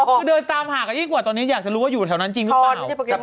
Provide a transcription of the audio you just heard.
คือเดินตามหากันยิ่งกว่าตอนนี้อยากจะรู้ว่าอยู่แถวนั้นจริงหรือเปล่า